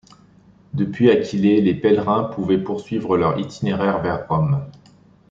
Depuis Aquilée, les pèlerins pouvaient poursuivre leur itinéraire vers Rome.